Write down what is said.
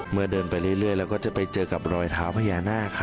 เดินไปเรื่อยเราก็จะไปเจอกับรอยเท้าพญานาค